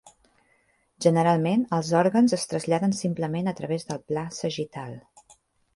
Generalment, els òrgans es traslladen simplement a través del pla sagital.